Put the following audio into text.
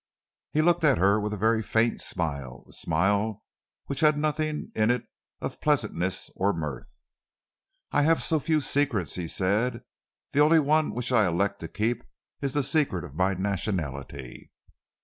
He looked at her with a very faint smile, a smile which had nothing in it of pleasantness or mirth. "I have so few secrets," he said. "The only one which I elect to keep is the secret of my nationality."